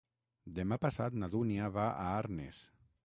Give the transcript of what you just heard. Demà passat na Dúnia va a Arnes.